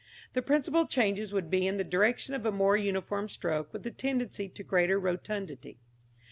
The principal changes would be in the direction of a more uniform stroke with a tendency to greater rotundity.